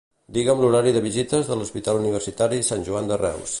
Digue'm l'horari de visites de l'Hospital Universitari Sant Joan de Reus.